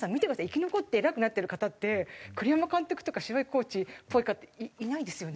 生き残って偉くなってる方って栗山監督とか白井コーチっぽい方いないですよね。